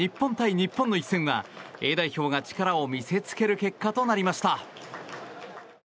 日本の一戦はＡ代表が力を見せつける結果となりました。